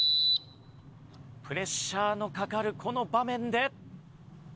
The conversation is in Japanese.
プレッシャーのかかるこの場面で。